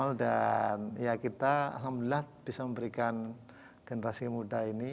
modal dan ya kita alhamdulillah bisa memberikan generasi muda ini